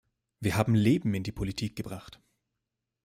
Wir haben Leben in die Politik gebracht.